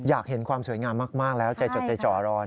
อยากเห็นความสวยงามมากแล้วใจจดใจจ่อรอ